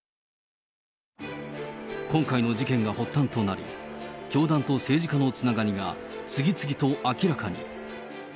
今回の事件が発端となり、教団と政治家のつながりが次々と明らかに。